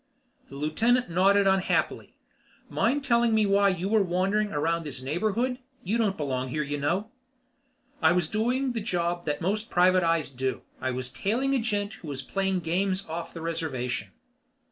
The lieutenant nodded unhappily. "Mind telling me why you were wandering around in this neighborhood? You don't belong here, you know." "I was doing the job that most private eyes do. I was tailing a gent who was playing games off the reservation."